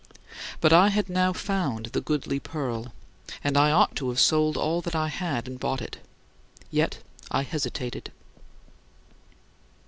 " But I had now found the goodly pearl; and I ought to have sold all that I had and bought it yet I hesitated.